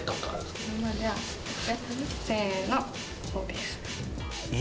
せーのこうです。